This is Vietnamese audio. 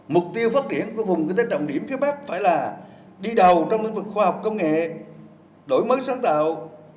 mục tiêu phát triển của vùng kinh tế trọng điểm phía bắc phải là đi đầu trong lĩnh vực khoa học công nghệ đổi mới sáng tạo